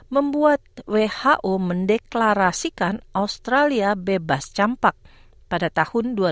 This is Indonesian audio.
membuat who mendeklarasikan australia bebas campak pada tahun dua ribu empat belas